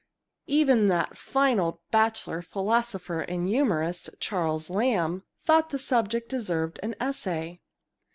Even that fine old bachelor, philosopher, and humorist, Charles Lamb, thought that the subject deserved an essay.